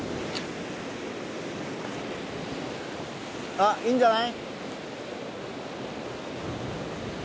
あっいいんじゃない？